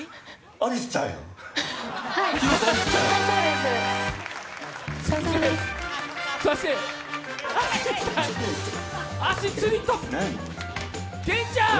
アリスちゃんやん。